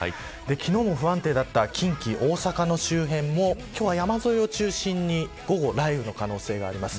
昨日も不安定だった近畿大阪の周辺も山沿いを中心に午後、雷雨の可能性があります。